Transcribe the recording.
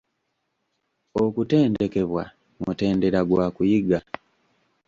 Okutendekebwa mutendera gwa kuyiga.